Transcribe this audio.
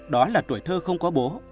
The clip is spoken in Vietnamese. đó là tuổi thơ không có bố